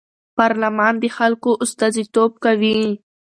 پارلمان د خلکو استازیتوب کوي